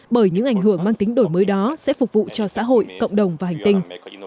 bởi những ảnh hưởng mang tính đổi mới đó sẽ phục vụ cho xã hội cộng đồng và hành tinh